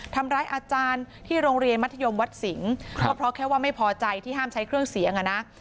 ทำร้ายอาจารย์ที่โรงเรียนมัธยมวัดสิงห์ก็เพราะแค่ว่าไม่พอใจที่ห้ามใช้เครื่องเสียงอ่ะนะ